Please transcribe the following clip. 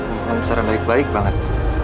memohon secara baik baik banget